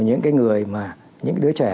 những cái người mà những cái đứa trẻ